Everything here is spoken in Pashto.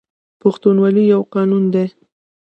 پښتونولي یو قانون دی